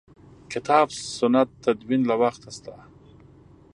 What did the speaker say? کتاب سنت تدوین له وخته شته.